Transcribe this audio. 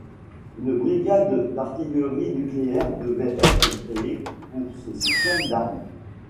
Une brigade d'artillerie nucléaire devait être créée pour ce système d'arme.